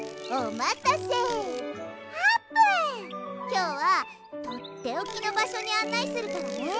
きょうはとっておきのばしょにあんないするからね。